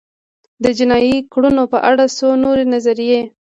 د جنایي کړنو په اړه څو نورې نظریې